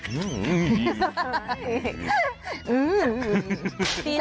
อื้ออื้ออือ